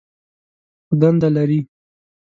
خو دنده لري.